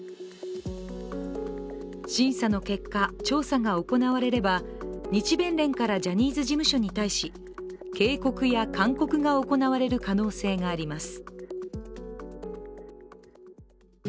審査の結果、調査が行われれば日弁連からジャニーズ事務所に対し警告や勧告が行われる可能性があります。